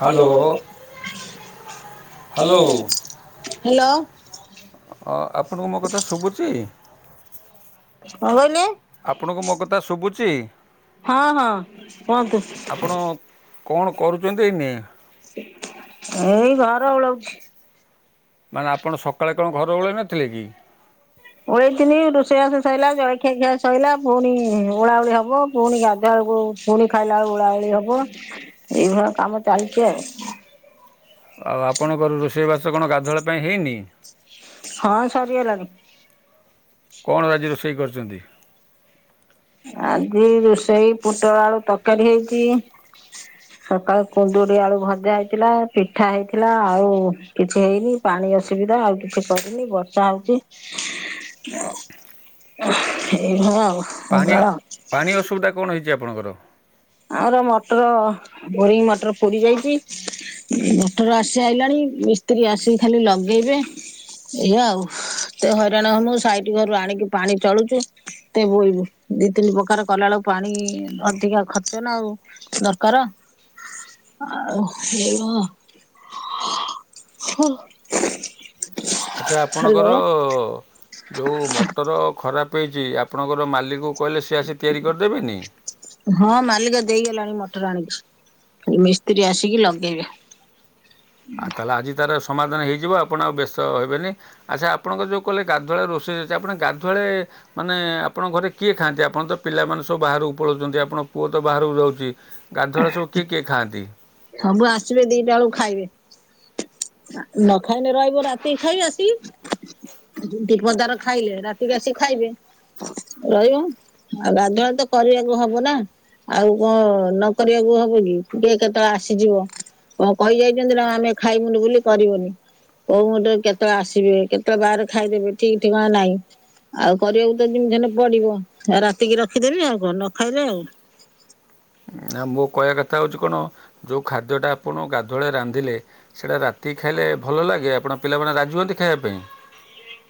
Hello hello hello ଆପଣଙ୍କୁ ମୋ କଥା ଶୁଭୁଚି? କଣ କହିଲେ? ଆପଣଙ୍କୁ ମୋ କଥା ଶୁଭୁଛି? ହଁ ହଁ କଅନ୍ତୁ। ଆପଣ କ'ଣ କରୁଛନ୍ତି ଏଇନେ ଏଇ ଘର ଓଲୋଉଚି। ମାନେ ଆପଣ ସକାଳେ କଣ ଘର ଭଳେଇ ନଥିଲେ କି? ଓଳେଇଥିନି ରୋଷେଇ ବାସ ସଇଲା ଜଳଖିଆ ଖିଆ ସଇଲା ପୁଣି ଓଳାଓଳି ହବ ପୁଣି ଗାଧୁଆବେଳକୁ ପୁଣି ଖାଇଲା ବେଳକୁ ଓଳାଓଳି ହବ ଏଇଭଳିଆ କାମ ଚାଲିଛି ଆଉ। ଆଉ ଆପଣଙ୍କର ରୋଷେଇବାସ କଣ ଗାଧୁଆବେଳ ପାଇଁ ହେଇନି? ହଁ ସରିଗଲାଣି। କଣ ଆଜି ରୋଷେଇ କରିଛନ୍ତି? ଆଜି ରୋଷେଇ ପୋଟଳ ଆଳୁ ତରକାରୀ ହେଇଛି। ସକାଳୁ କୁନ୍ଦୁଡି ଆଳୁ ଭଜା ହେଇଥିଲା ପିଠା ହେଇଥିଲା ଆଉ କିଛି ହେଇନି। ପାଣି ଅସୁବିଧା ଆଉ କିଛି କରିନି ବର୍ଷା ହଉଛି। ଏଇ ଭଳିଆ ପାଣି ପାଣି [unintelligible] ଅସୁବିଧା କଣ ହେଇଛି ଆପଣଙ୍କର? ଆମର ମଟର ବୋରିଙ୍ଗ ମଟର ପୋଡି ଯାଇଛି। ମଟର ଆସି ସାଇଲାଣି ମିସ୍ତ୍ରୀ ଆସି ଖାଲି ଲଗେଇବେ। ଏଇଆଉ ଏତେ ହଇରାଣ ମୁଁ ସାଇଟ୍ ଘରୁ ଆଣିକି ପାଣି ଚଳୁଚୁ। ଏତେ ଭୂଲ ଦି ତିନି ପ୍ରକାର କଲାବେଳକୁ ପାଣି ଅଧିକା ଖ ଖର୍ଚ୍ଚ ନା ଆଉ ଦରକାର। ଆଉ ହେଇଭ [unintelligible] ଆଚ୍ଛା ଆପଣଙ୍କର ଯୋଉ ମଟର ଖରାପ ହେଇଛି ଆପଣଙ୍କର ମାଲିକକୁ କହିଲେ ସିଏ ଆସି ତିଆରି କରିଦେବେନି? ହଁ ମାଲିକ ଦେଇଗଲାଣି ମଟର ଆଣିକି। ମିସ୍ତ୍ରୀ ଆସିକି ଲଗେଇବେ। ଆଉ ତାହେଲେ ଆଜି ତାର ସମାଧାନ ହେଇଯିବ ଆପଣ ଆଉ ବ୍ୟସ୍ତ ହେବେନି। ଆଚ୍ଛା ଆପଣଙ୍କ ଯୋଉ କହିଲେ ଗାଧୁଆବେଳେ ରୋଷେଇ ଅଛି ଆପଣ ଗାଧୁଆବେଳେ ମାନେ ଆପଣଙ୍କ ଘରେ କିଏ ଖାଆନ୍ତି? ଆପଣ ତ ପିଲାମାନେ ସବୁ ବାହାରକୁ ପଳଉଛନ୍ତି, ଆପଣଙ୍କ ପୁଅ ତ ବାହାରକୁ ଯାଉଛି। ଗାଧୁଆ ବେଳେ ସବୁ କିଏ କିଏ ଖାଆନ୍ତି? ସବୁ ଆସିବେ ଦିଟା ବେଳକୁ ଖାଇବେ। ନ ଖାଇଲେ ରହିବ ରାତି କି ଖାଇବେ ଆସିକି। ଯୁଦି ପଦାର ଖାଇଲେ ରାତିକି ଆସି ଖାଇବେ। ରହିବ ଆଉ ଗାଧୁଆବେଳେ ତ କରିବାକୁ ହବ ନା। ଆଉ କଣ ନକରିଆକୁ ହବ କି। [unintelligible] କେତେବେଳେ ଆସିଯିବ କଣ କହି ଯାଇଛନ୍ତି ନା ଆମେ ଖାଇବୁନି ବୋଲି କରିବନି। କୋଉ ମୂହୁର୍ତ୍ତ ରେ କେତେବେଳେ ଆସିବେ କେତେବେଳେ ବାହାରେ ଖାଇଦେବେ ଠିକ ଠିକଣା ନାହିଁ। ଆଉ କରିବାକୁ ତ ଯେମିତି ହେଲେ ପଡିବ ରାତିକି ରଖିଦେବି ଆଉ କଣ ନ ଖାଇଲେ ଆଉ। ନା ମୋ କହିବା କଥା ହଉଛି କଣ ଯୋଉ ଖାଦ୍ୟଟା ଆପଣ ଗାଧୁଆବେଳେ ରାନ୍ଧିଲେ ସେଇଟା ରାତିକି ଖାଇଲେ ଭଲ ଲାଗେ ଆପଣ ପିଲାମାନେ ରାଜି ହୁଅନ୍ତି ଖାଇବା ପାଇଁ?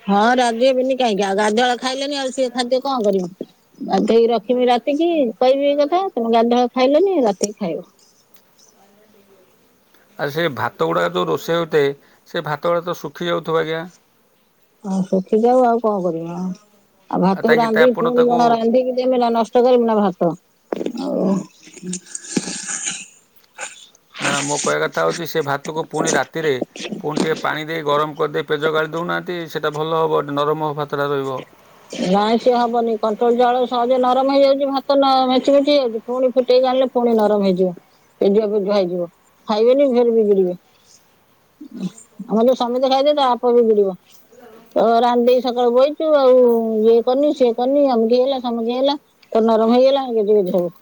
ହଁ ରାଜି ହେବନି କାହିଁକି ଆଉ ଗାଧୁଆ ଖାଇଲେନି ଆଉ ସେ ଖାଦ୍ୟ କଣ କରିବୁ। ବାଧ୍ୟ ହେଇ ରଖିବି ରାତିକି କହିବି ଏଇ କଥା ତମେ ଗାଧୁଆବେଳେ ଖାଇଲନି ରାତିକି ଖାଇବ। ଆଉ ସେ ଭାତ ଗୁଡ଼ାକ ଯୋଉ ରୋଷେଇ ହଉଥାଏ ସେ ଭାତ ଗୁଡ଼ା ତ ଶୁଖିଯାଉଥିବ ଆଜ୍ଞା। ହଁ ଶୁଖି ଯାଉ ଆଉ କଣ କରିବି ଆଉ, ଆଉ ଭାତକୁ ତାକି ରାନ୍ଧିକି ଆପଣ ପୁଣି ତାକୁ କଣ ରାନ୍ଧିକି ଦେବିନା ନଷ୍ଟ ନଷ୍ଟ କରିବିନା ଭାତ ଆଉ। ନା ମୋ କହିବା କଥା ହଉଛି ସେ ଭାତକୁ ପୁଣି ରାତିରେ ପୁଣି ଟିକେ ପାଣି ଦେଇ ଗରମ କରିଦେଇ ପେଜ ଗାଳି ଦେଉନାହାନ୍ତି ସେଇଟା ଭଲ ହବ ନରମ ହବ ଭାତଟା ରହିବ। ନାଇଁ ସିଏ ହବନି କଣ୍ଟ୍ରୋଲ ଚାଉଳ ସହଜେ ନରମ ହେଇଯାଉଛି ଭାତ ମେଂଚି ମେଂଚି ହେଇଯାଉଛି। ପୁଣି ଫୁଟେଇକି ଗାଳିଲେ ପୁଣି ନରମ ହେଇଯିବ। ପେଜୁଆ ପେଜୁଆ ହେଇଯିବ ଖାଇବେନି ଫେରେ ବିଗିଡିବେ। ଆମର ଯୋଉ ସମୀତେ ଖାଇଦେ ତା ବାପ ବିଗିଡିବ। କହିବ ରାନ୍ଧିଦେଇ ସକାଳୁ ପଳେଇଚି ଚି ଆଉ। ଇଏ କରିନି ସିଏ କରିନି ଅମକି ହେଲା ସମକି ହେଲା ତ ନରମ ହେଇଗଲା ଗେଜେଗେଜେ ହବ।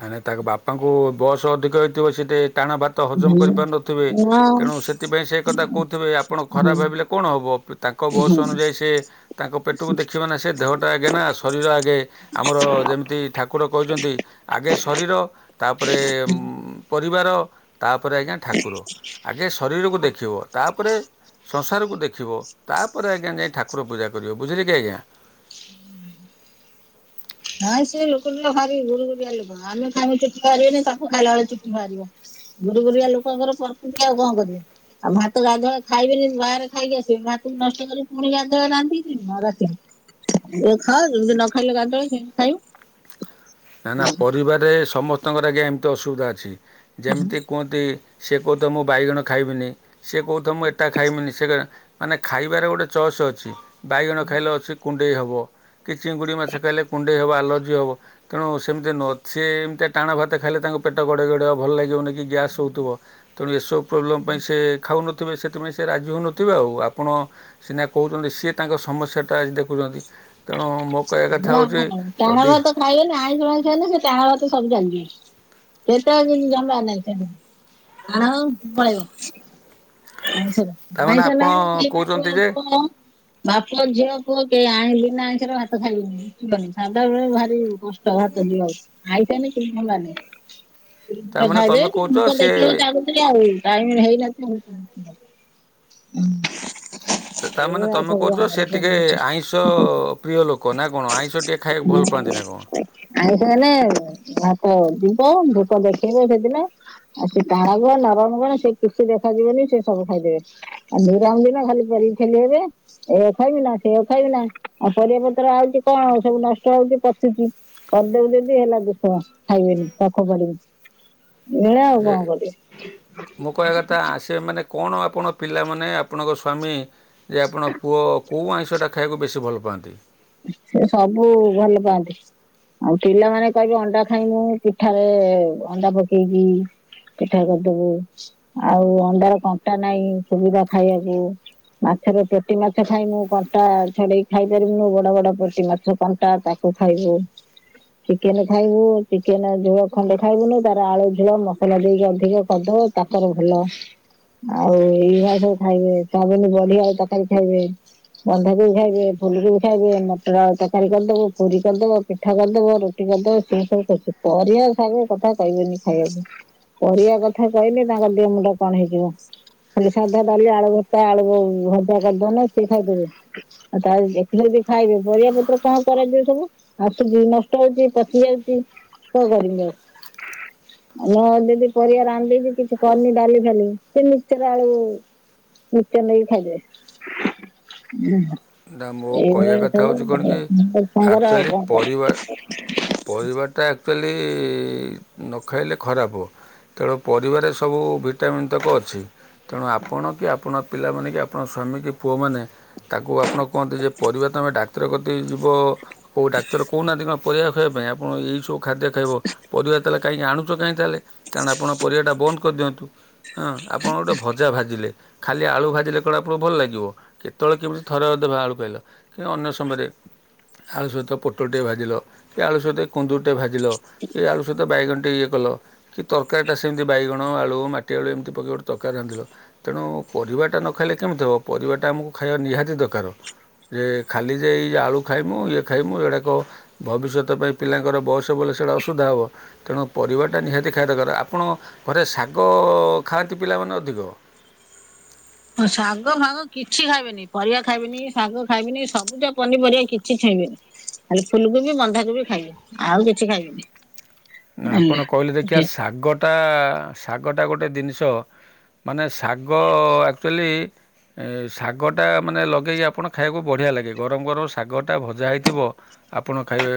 ଆ ନାଇଁ ତାଙ୍କ ବାପାଙ୍କୁ ବୟସ ଅଧିକ ହେଇଥିବ ସେଇଟେ ଟାଣ ଭାତ ହଜମ କରିପାରୁନଥିବେ ନା ତେଣୁ ସେଥିପାଇଁ ସେ ଏକଥା କହୁଥିବେ ଆପଣ ହୁଁ। ଖରାପ ଭାବିଲେ କଣ ହବ। ତାଙ୍କ ବୟସ ଅନୁଯାୟୀ ସେ ତାଙ୍କ ପେଟୁକୁ ଦେଖିବେ ନା ସେ ଦେହଟା ଆଗେ ନା ଶରୀର ଆଗେ ଆମର ଯେମିତି ଠାକୁର କହିଚନ୍ତି ଆଗେ ଶରୀର ତାପରେ ପରିବାର ତାପରେ ଆଜ୍ଞା ଠାକୁର। ଆଗେ ଶରୀରକୁ ଦେଖିବ ତାପରେ ସଂସାରକୁ ଦେଖିବ ତାପରେ ଆଜ୍ଞା ଯାଇ ଠାକୁର ପୂଜା କରିବ ବୁଝିଲେ କି ଆଜ୍ଞା। ନାଇଁ ସେ ଲୋକଟା ଭାରି ଗୁରୁଗୁରିଆ ଲୋକ ଆମେ ଖାଇଉ ଚୁଟି ବାହାରିବନି ତାଙ୍କ ଖାଇଲାବେଳେ ଚୁଟି ବାହାରିବ। ଗୁରୁଗୁରିଆ ଲୋକଙ୍କର ପର୍କୁତିି ଆଉ କଣ କରିବ। ଆଉ ଭାତ ଗାଧୁଆଏଳେ ଖାଇବେନି ବାହାରେ ଖାଇକି ଆସିବେ ଭାତକୁ ନଷ୍ଟ କରିକି ପୁଣି ଗାଧୁଆ ରାନ୍ଧିକ ରାତି ଖାଅ ଯମତି ନ ଖାଇଲେ ଗାତି ଖାଇାଉ ନା ନା ପରିବାରରେ ସମସ୍ତଙ୍କର ଆଜ୍ଞା ଏମିତି ଅସୁବିଧା ଅଛି। ଯେମିତି କୁହ ତି ସେ କହୁଥିବ ମୁଁ ବାଇଗଣ ଖାଇବିନି ସିଏ କହୁଥବ ମୁଁ ଏଟା ଖାଇମିନି ସେଟା ମାନେ ଖାଇବାରେ ଗୋଟେ ଚସ୍ ଅଛି। ବାଇଗଣ ଖାଇଲେ ଅଛି କୁଣ୍ଡେଇ ହେବ କି ଚିଙ୍ଗୁଡି ମାଛ ଖାଇଲେ କୁଣ୍ଡେଇ ହେବ ଆଲର୍ଜି ହେବ। ତେଣୁ ସେମିତି ନୁହଁ ସେ ଏମିତିଆ ଟାଣ ଭାତ ଖାଇଲେ ତାଙ୍କ ପେଟ ଗଡେଇ ଗଡେଈ ହବ ଭଲ ଲାଗିବନି କି ଗ୍ୟାସ୍ ହଉଥିବ ତେଣୁ ଏସବୁ ପ୍ରୋବ୍ଲେମ୍ ପାଇଁ ସେ ଖାଉନଥି ଥିବେ ସେଥିପାଇଁ ସେ ରାଜି ହେଉନଥିବେ ଆଉ ଆପଣ ସିନା କହୁଚନ୍ତି ସିଏ ତାଙ୍କ ସମସ୍ୟାଟା ଆଜି ଦେଖୁଚନ୍ତି ତେଣୁ ମୋ କହିବା କଥା ଏ ଆମ ହଉଚି ନାଇଁ ଟାଣ ଯଦି ଭାତ ଖାଇବେନି ଆଇଁଷ ମାଇଁଷ ହେଲେ ସେ ଟାଣ ଭାତ ସବୁ ଚାଲିିଯିବ [inaudible] ଆଉ ପଳେଇବ। ତାମାନେ ଆପଣ କହୁଛନ୍ତି ଯେ [unintelligible] ବାପ ଝିଅ ପୁଅ କେହି ଆଇଁ ବିନା ଆଇଁଷରେ ଭାତ ଖାଇବେନି ରୁଚିବନି ସାଧାବେଳେ ଭାରି କଷ୍ ଷ୍ଟ ଭାତ ଯିବାକୁ। ତାମାନେ ତୁମେ କହୁଛ ସିଏ [unintelligible] [unintelligible] ରଖୁଚି ଆଉ [inaudible] ତ-ତାମାନେ ଏଇଭଳିଆ ତମେ ସବୁ କହୁଚ ଆମର ସେ ଟିକେ ପରିବେଶ। ଆଇଁଷ ପ୍ରିୟ ଲୋକ ନା କଣ ଆଇଁଷ ଟିକେ ଖାଇବାକୁ ଭଲ ପାଆନ୍ତି ନା କଣ? ଆଇଁଷ ହେନେ ଭାତ ଯିବ ଭୋକ ଦେଖେଇବ ସେଦିନେ। ଆଉ ସେ ଟାଣ କଁ ନରମ କଣ ସେ କିଛି ଦେଖାଯିବନି ସେ ସବୁ ଖାଇଦେବେ। ଆଉା ନିରାମ ଦିନ ଖାଲି କରିକି ଠେଲି ହେବେ। ଏୟାକୁ ଖାଇବି ନା ସେୟାକୁ ଖାଇବି ନା, ଆ ପରିବା ପତ୍ର ଆଉଚି କଣ ସବୁ ନଷ୍ଟ ହଉଚି ପଚୁଚି। କରିଦେବି ଯଦି ହେଲା ଦୋଷ ଖାଇବେନି ତାକୁ ଫୋପାଡିବି। ଏଭଳିଆ ଆଉ ଯେ କଣ ମୋ କହିବା କଥା କରିବ। ସେ ମାନେ କଣ ଆପଣ ପିଲାମାନେ ଆପଣଙ୍କ ସ୍ୱାମୀ ଯେ ଆପଣ ପୁଅ କୋଉ ଆଇଁଷଟା ଖାଇଆକୁ ବେଶୀ ଭଲ ପାଆନ୍ତି। ସେ ସବୁ ଭଲ ପାଆନ୍ତି। ଆଉ ପିଲାମାନେ କହିବେ ଅଣ୍ଡା ଖାଇମୁ ପିଠାରେ ଅଣ୍ଡା ପକେଇକି। ପିଠା କରିଦବୁ। ଆଉ ଅଣ୍ଡାର କଣ୍ଟା ନାଇଁ ସୁବିଧା ଖାଇଆକୁ। ମାଛର ପେଟି ମାଛ ଖାଇମୁ କଣ୍ଟା ଛଡେଇକି ଖାଇ ପାରିବୁନୁ ବ ବଡ ବଡ ପେଟିମାଛ କଣ୍ଟା ତାକୁ ଖାଇବୁ। ଚିକେନ ଖାଇବୁ ଚିକେନ ଝୁଳ ଖଣ୍ଡେ ଖାଇବୁନି ତାର ଆଳୁ ଝୁଳ ମସଲା ଦେଇକି ଅଧିକ କଦ ତାପରେ ଭଲ ଆଉ ଏଇଆ ସବୁ ଖାଇବେ ତା [unintelligible] ବଢ଼ି ଆଳୁ ତରକାରୀ ଖାଇବେ। ବନ୍ଧାକୋବି ଖାଇବେ ଫୁଲୁକୁ ଖାଇବେ ମଟର ଆଳୁ ତରକାରୀ କରିଦବ ପୁରୀ କରିଦବ ପିଠା କରିଦବ ରୁଟି କରିଦବ ସେ ସବୁ ଖୁସି। ପରିଆ ଶାଗ କଥା କହିବେନି ଖାଇଆକୁ। ପରିଆ କଥା କହିଲେ ତାଙ୍କ ଟିକେ ମୁଣ୍ଡ କଣ ହେଇଯିବ। ଖାଲି ସାଧା ଡାଲି ଆଳୁ ଭତା ଆଳୁ ଭଜା କରି ଦଉନ ସିଏ ଖାଇଦେବେ ଆଉ [unintelligible] ଯଦି ଖାଇବେ ପରିଆ ପତ୍ର କଁ କରାଯିବ ସବୁ ଆସୁଚି ନଷ୍ଟ ହଉଚି ପଚି ଯାଉଚି। କଁ କରିମ? ନା ଦେଦି ପରିଆ ରାନ୍ଧ୍ ଦେଇଚି କିଛି କରିନି ଡାଲି ଫାଲି ସେ ମିିକ୍ଚର ଆଳୁ [unintelligible] ନେଇ ଖାଇଦେଏ [unintelligible] ନା ମୋ କହିଆ କଥା ହଉଚି କଣ କି ସାଙ୍ଗର ଆଉ ଆକ୍ଚୁଲି କଣ କର ପରିବା ପରିବା ଟା ଆକ୍ଚୁଲି ନ ଖାଇଲେ ଖରାପ। ତେ [unintelligible] ପରିବାରେ ସବୁ ଭିଟାମିନ୍ ତକ ଅଛି। ତେଣୁ ଆପଣ କି ଆପଣ ପିଲାମାନେ କି ଆପଣ ସ୍ୱାମୀ କି ପୁଅମାନେ ତାକୁ ଆପଣ କୁହନ୍ତି ଯେ ପରିବା ତମେ ଡାକ୍ତର କତିକି ଯିବ କୋଉ ଡାକ୍ତର କହୁନାହାନ୍ତି କଁ ପଇଆ ଖାଇବା ପାଇଁ ଆପଣ ଏହି ସବୁ ଖାଦ୍ୟ ଖାଇବ ପରିବା ତାହେଲେ କାଇଁ ଆଣୁଚ କାଇଁ ତାହେଲେ। କାଣ ଆପଣ ପରିବାଟା ବନ୍ଦ କରିଦିଅନ୍ତୁ। ହଁ ଆପଣ ଗୋଟେ ଭଜା ଭାଜିଲେ ଖାଲି ଆଳୁ ଭାଜିଲେ କଣ ଆପଣଙ୍କୁ ଭଲ ଲାଗିବ କେତେଅଳେ କେମିତି ଥରେ ଅ କେବେ ଆଳୁ ଖାଇଲ କି ଅନ୍ୟ ସମୟରେ ଆଳୁ ସହିତ ପୋଟଳଟିଏ ଭାଜିଲ। କି ଆଳୁ ସହିତ କୁନ୍ଦୁରି ଟେ ଭାଜିଲ କି ଆଳୁ ସହିତ ବାଇଗଣଟେ ଇଏ କଲ। କି ତରକାରୀ ଟା ସେମିତି ବାଇଗଣ ଆଳୁ ମାଟି ଆଳୁ ଏମିତି ପକେଇ ଗୋଟେ ତରକାରୀ ରାନ୍ଧିଲ। ତେଣୁ ପରିବାଟା ନ ଖାଇଲେ କେମିତି ହେବ ପରିବାଟା ଆମକୁ ଖାଇବା ନିହାତି ଦକାର। ଏ ଖାଲି ଯେ ଏଇ ଆଳୁ ଖାଇମୁ ଇଏ ଖାଇମୁ ଏଇଗୁଡ଼ାକ ଭବିଷ୍ୟତ ପାଇଁ ପିଲାଙ୍କର ବୟସ ବଲେ ସେଇଟା ଅସୁବିଧା ହବ। ତେଣୁ ପରିବାଟା ନିହାତି ଖାଇବା ଦକାରେ। ଆପଣ ଘରେ ଶାଗ ଖାଆନ୍ତି ପିଲାମାନେ ଅଧିକ? ହଁ ଶାଗ ଫାଗ କିଛି ଖାଇବେନି ପରିଆ ଖାଇବେନି ଶାଗ ଖାଇବେନି ସବୁଜ ପନିପରିଆ କିଛି ଖାଇବେନି। ଖାଲି ଫୁଲୁ କୋବି ବନ୍ଧାକୋବି ଖାଇବି ଆଉ କିଛି ଖାଇବେନି। ଆପଣ କହିଲେ ଆଣିଲେ ଦେଖିଆ ଶାଗଟା ଶାଗଟା ଗୋଟେ ଦିନିଷ ମାନେ ଶାଗ ଆକ୍ଚୁଲି ଏ ଶାଗଟା ମାନେ ଲଗେଇକି ଆପଣ ଖାଇଆକୁ ବଢ଼ିଆ ଲାଗେ ଗରମ୍ ଗରମ୍ ଶାଗଟା ଭଜା ହେଇଥିବ। ଆପଣ ଖାଇବେ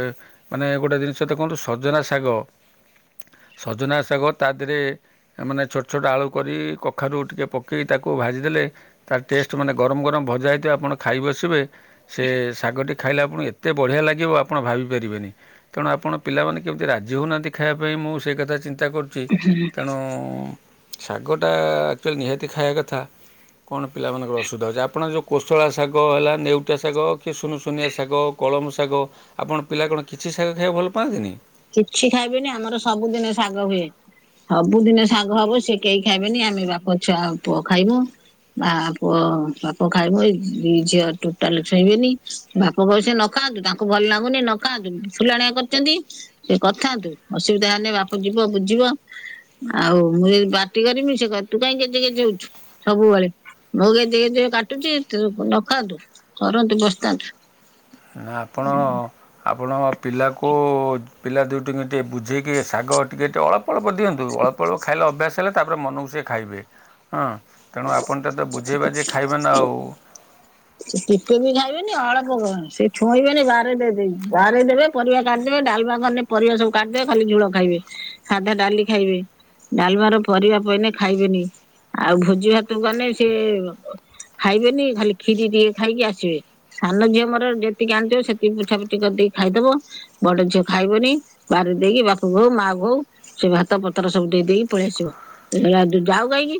ମାନେ ଗୋଟେ ଜିନିଷ ଦେଖନ୍ତୁ ସଜନା ଶାଗ ସଜନା ଶାଗ ତା ଧେରେ ଏ ମାନେ ଛୋଟ ଛୋଟ ଆଳୁ କରି କଖାରୁ ଟିକେ ପକେଇ ତାକୁ ଭାଜିଦେଲେ ତା ଟେଷ୍ଟ ମାନେ ଗରମ୍ ଗରମ୍ ଭଜା ହେଇଥିବ ଆପଣ ଖାଇ ବସିବେ ସେ ଶାଗଟି ଖାଇଲେ ଆପଣଙ୍କୁ ଏତେ ବଢିଆ ଲାଗିବ ଆପଣ ଭାବି ପାରିବେନି। ତେଣୁ ଆପଣ ପିଲାମାନେ କେମିତି ରାଜି ହଉନାହାନ୍ତି ଖାଇଆ ପାଇଁ ମୁଁ ସେ କଥା ଚିନ୍ତା କରୁଚି ତେଣୁ ଶାଗଟା ଆକ୍ଚୁଆଲି ନିହାତି ଖାଇଆ କଥା। କଣ ପିଲାମାନଙ୍କର ଅସୁବିଧା ହଉଚି ଆପଣ ଯୋଉ କୋଶଳା ଶାଗ ହେଲା ନେଉଟିଆ ଶାଗ କି ସୁନୁସୁନିଆ ଶାଗ କଳମ ଶାଗ ଆପଣ ପିଲା କଣ କିଛି ଶାଗ ଖାଇଆକୁ ଭଲ ପାଆନ୍ତିନି? କିଛି ଖାଇବେନି ଆମର ସବୁଦିନେ ଶାଗ ହୁଏ। ସବୁଦିନେ ଶାଗ ହବ ସେ କେଇ ଖାଇବେନି ଆମେ ବାପ ଛୁଆ ପୁଅ ଖାଇବୁ। ମା ପୁଅ ବାପ ଖାଇବୁ ଏ ଦି ଝିଅ ଟୋଟାଲ ଛୁଇଁବେନି। ବାପ କହେ ସେ ନ ଖାଆନ୍ତୁ ତାଙ୍କୁ ଭଲ ଲାଗୁନି ନ ଖାଆନ୍ତୁ ଫୁଲାଣିଆ କରିଚନ୍ତି। ସେ କରିଥାନ୍ତୁ ଅସୁବିଧା ହେଲେ ବାପ ଯିବ ବୁଝିବ। ଆଉ ମୁଁ ଯଦି ପାଟି କରିବି ସେ କହିବେ ତୁ କାହିଁ ଗେଜେ ଗେଜେ ହୋଉଛୁ। ସବୁବେଳେ ମୋ ଗେଜେ ଗେଜେ କାଟୁଛି ନ ଖାଆନ୍ତୁ। କରନ୍ତୁ ବସିଥାନ୍ତୁ। ନା ଆପଣ। ଆପଣ ପିଲାକୁ ପିଲା ଦୁଇଟିିକୁ ଟିକେ ବୁଝେଇକି ଶାଗ ଟିକେ ଟିକେଏ ଅଳପ୍ ଅଳ୍ପ ଦିଅନ୍ତୁ ଅଳ୍ପ ଅଳ୍ପ ଖାଇଲେ ଅଭ୍ୟାସ ହେଲେ ତା ପରେ ମନକୁ ସିଏ ଖାଇବେ, ହଁ। ତେଣୁ ଆପଣ ତାକୁ ବୁଝେଇ ବାଝେଇ ଖୁଆଇବେ ନାଁ ଆଉ। ଟିକେ ବି ଖାଇବେନି ଅଳ୍ପ କଣ ସେ ଛୁଇଁବେନି ବାହାରେ ବାହାରେ ଦେବେ। ପରିବା କାଢିଦେବେ ଡାଲମା କନେ ପରିବା ସବୁ କାଢିଦେବେ ଖାଲି ଝୁଳ ଖାଇବେ, ସାଧା ଡାଲି ଖାଇବେ। ଡାଲମାର ପରିବା ପଇଲେ ଖାଇବେନି ଆଉ ଭୋଜି ଭାତକୁ ଗଲେ ସେ ଖାଇବେନି ଖାଲି ଖୀରି ଟିକେ ଖାଇକି ଆସିବେ। ସାନ ଝିଅ ମୋର ଯେତିକି ଆଣିଥିବ ସେତିକି ପୋଛାପୁଛି କରିଦେଇକି ଖାଇଦବ। ବଡ ଝିଅ ଖାଇବନି ବାରରେ ଦେଇକି ବାପା ହଉ ମା କୁ ହୋଉ। ସେ ଭାତ ପତ୍ର ସବୁ ଦେଇ ଦେଇେଇକି ପଳେଇଆସିବ ଯାଉ କାହିଁକି।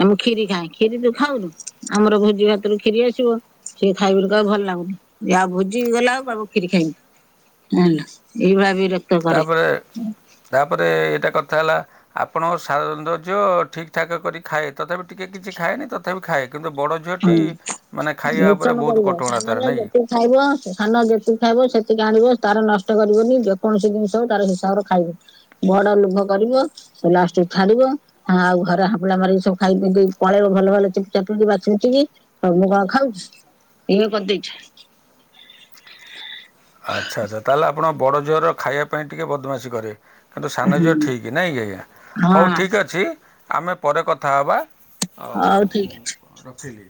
ନାଁ ମୁଁ ଖୀରି ଖାଏ, ଖୀରି ତୁ ଖାଉ ଆମର ଭୋଜି ଭାତରୁ କ୍ଷୀରି ଆସିବ ସିଏ ଖାଇବ କହିବ ଭଲ ଲାଗୁନି ଯଉଁ ଭୋଜିିକି ଗଲା ଆଉ ଖୀରୀ ଖାଇବି। ହେଲା ଏଇ ଭଳି ବିର ତାପରେ ତାପରେ ଏଇଟା କଥା ହେଲା। ଆପଣ ସାନ ଝିଅ ଠିକ୍ ଠାକ୍ କରି ଖାଏ ତଥାପି ଟିକେ କିଛି ଖାଏନି ତଥାପି ଖାଏ କିନ୍ତୁ ବଡ଼ ଝିଅଟି ହୁଁ ମାନେ ଖାଇବା ଉପରେ ମିଶନ ବୋହୁତ୍ କରିବ କଟକଣା ତା ସାନର ନାକି। ଯେତିକି ଖାଇବ ସାନ ଯେତିକି ଖାଇବ ସେତିକି ଆଣିବ ତାର ନଷ୍ଟ କରିବନି ଯେକୌଣସି ଜିନିଷ ହବ ତାର ହିସାବରେ ଖାଇବ। ବଡ ଲୁଭ କରିବ। ଲାଷ୍ଟ୍ କୁ ଛାଡିବ ହଁ ଆଉ ଘରେ ହାପୁଲା ମାରିକି ସବୁ ଖାଇ ପଳେଇବ ଭଲ ଭଲ ଚୁପ ଚାପିକି ବାଛିବି ଆଉ ମୁଁ କଣ ଖାଉଛି ଇଏ କରିଦେଇଛି। ଆଚ୍ଛା -ଆଚ୍ଛା। ତାହେଲେ ଆପଣ ବଡଝିଅର ଖାଇବା ପାଇଁ ଟିକିଏ ବଦମାସି କରେ। କିନ୍ତୁ ସାନ ଝିଅ ହୁଁ ଠିକ୍ ନା କି ଆଜ୍ଞା, ହୋଉ ଠିକ୍ ହଁ ଅଛି ଆମେ ପରେ କଥା ହେବା ଆଉ ହଉ ଠିକ। ମୁଁ ରଖିଲି।